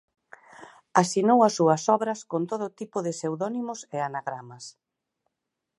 Asinou as súas obras con todo tipo de pseudónimos e anagramas.